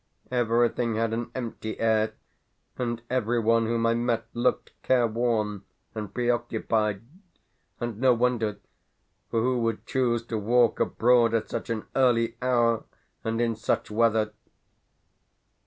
Everything had an empty air, and everyone whom I met looked careworn and preoccupied, and no wonder, for who would choose to walk abroad at such an early hour, and in such weather?